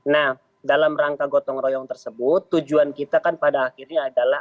nah dalam rangka gotong royong tersebut tujuan kita kan pada akhirnya adalah